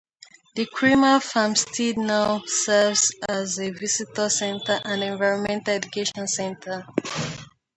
The Creamer farmstead now serves as a visitor center and environmental education center.